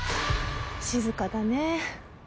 「静かだね」